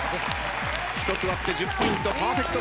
１つ割って１０ポイントパーフェクト